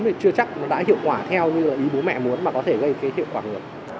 thì chưa chắc nó đã hiệu quả theo như ý bố mẹ muốn mà có thể gây cái hiệu quả ngược